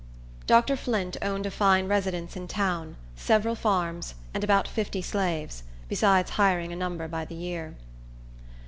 Dr. Flint owned a fine residence in town, several farms, and about fifty slaves, besides hiring a number by the year.